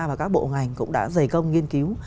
và các bộ ngành cũng đã dày công nghiên cứu